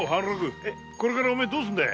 これからお前どうするんでぇ？